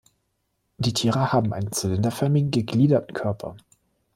Die Tiere haben einen zylinderförmigen gegliederten Körper.